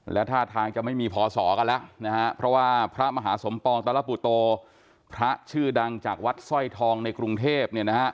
และท่าทางจะไม่มีพอสอกันแล้วนะฮะเพราะว่าพระมหาสมปองตลปุโตพระชื่อดังจากวัดสร้อยทองในกรุงเทพเนี่ยนะฮะ